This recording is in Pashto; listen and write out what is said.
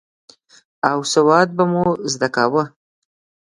او سواد به مو زده کاوه.